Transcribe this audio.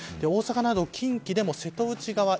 大阪など近畿でも瀬戸内側